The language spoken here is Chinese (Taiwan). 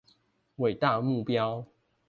偉大目標